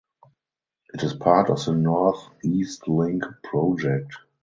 It is part of the North East Link project.